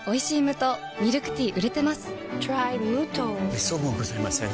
めっそうもございません。